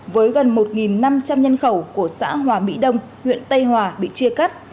với gần một năm trăm linh nhân khẩu của xã hòa mỹ đông huyện tây hòa bị chia cắt